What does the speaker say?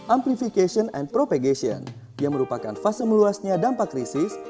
amplification and provigation yang merupakan fase meluasnya dampak krisis